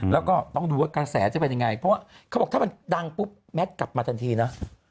แล้วก็ต้องดูว่ากระแสจะเป็นยังไงเพราะว่าเขาบอกถ้ามันดังปุ๊บแมทกลับมาทันทีนะ